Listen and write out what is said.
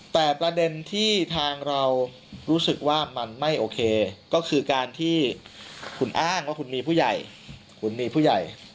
แต่ประเด็นที่ทางเรารู้สึกว่ามันไม่โอเคก็คือการที่คุณอ้างว่าคุณมีผู้ใหญ่คุณมีผู้ใหญ่